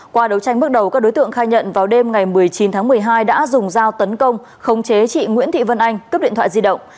qua đấu tranh bước đầu các đối tượng khai nhận vào đêm ngày một mươi chín tháng một mươi hai đã dùng dao tấn công khống khống chế chị nguyễn thị vân anh cướp điện thoại di động